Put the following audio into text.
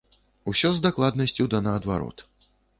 Усё з дакладнасцю да наадварот.